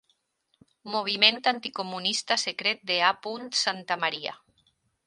Moviment anticomunista secret de A. Santamaria.